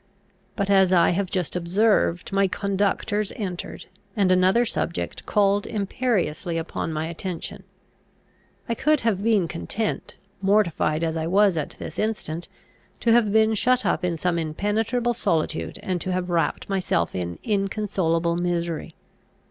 But, as I have just observed, my conductors entered, and another subject called imperiously upon my attention. I could have been content, mortified as I was at this instant, to have been shut up in some impenetrable solitude, and to have wrapped myself in inconsolable misery.